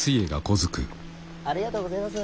ありがとうごぜます。